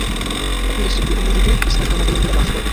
এখন দেশটির বিভিন্ন দ্বীপে ইসলাম ধর্মাবলম্বীরা বাস করেন।